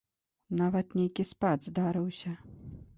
Нават нейкі спад здарыўся.